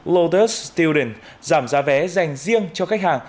lotus studence giảm giá vé dành riêng cho khách hàng